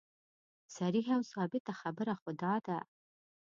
صریحه او ثابته خبره خو دا ده.